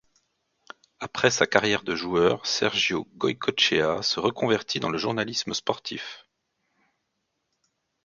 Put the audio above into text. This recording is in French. Après sa carrière de joueur, Sergio Goycochea se reconvertit dans le journalisme sportif.